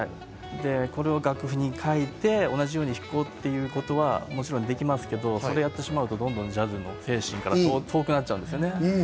はい、これを楽譜に書いて同じように弾くことはもちろんできますけど、そうしますと、どんどんジャズの精神から遠くなっちゃうんです。